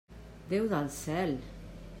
Déu del cel!